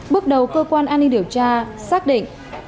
bước đầu cơ quan an ninh điều tra xác định